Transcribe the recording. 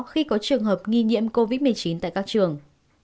khi có trường hợp nghi nhiễm covid một mươi chín tại các trường